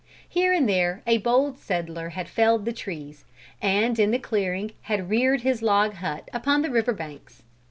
Here and there, a bold settler had felled the trees, and in the clearing had reared his log hut, upon the river banks.